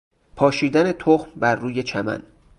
پاشیدن تخم بر روی چمن